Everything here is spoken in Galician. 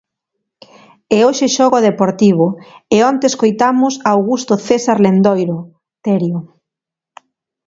E hoxe xoga o Deportivo e onte escoitamos a Augusto César Lendoiro, Terio.